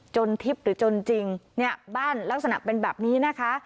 ทิพย์หรือจนจริงเนี่ยบ้านลักษณะเป็นแบบนี้นะคะ